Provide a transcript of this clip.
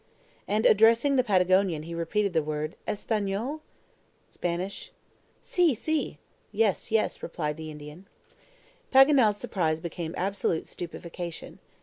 And addressing the Patagonian, he repeated the word, "ESPANOL?" (Spanish?). "Si, si" (yes, yes) replied the Indian. Paganel's surprise became absolute stupefaction.